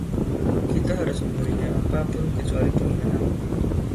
Kita harus memberinya apa pun kecuali penghinaan.